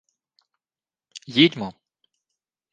— Їдьмо.